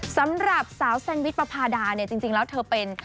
สำหรับสาวแซนวิชประพาดาเนี่ยจริงแล้วเธอเป็น